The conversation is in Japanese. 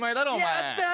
やったー！